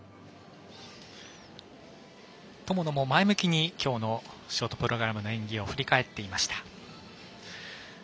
友野も前向きに、今日のショートプログラムの演技を振り返っていました。